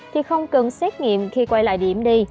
thì không cần xét nghiệm khi quay lại điểm đi